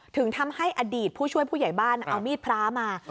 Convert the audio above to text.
ถึงทำให้อดีตผู้ช่วยผู้ใหญ่บ้านเอามีดพระมา